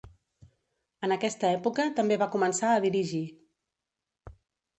En aquesta època també va començar a dirigir.